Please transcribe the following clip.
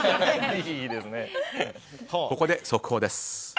ここで速報です。